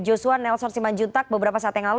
yosua nelson simanjuntak beberapa saat yang lalu